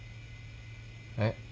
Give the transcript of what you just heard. えっ？